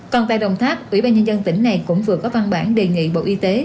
còn tại đồng tháp ủy ban nhân dân tỉnh này cũng vừa có văn bản đề nghị bộ y tế